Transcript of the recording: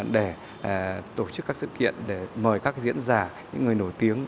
để tổ chức các sự kiện để mời các diễn giả những người nổi tiếng